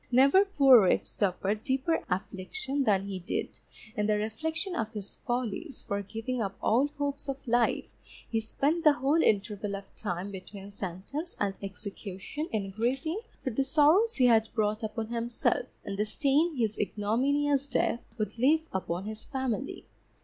Never poor wretch suffered deeper affliction than he did, in the reflection of his follies, for giving up all hopes of life, he spent the whole interval of time between sentence and execution in grieving for the sorrows he had brought upon himself and the stain his ignominious death would leave upon his family.